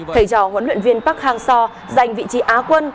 thầy trò huấn luyện viên park hang seo giành vị trí á quân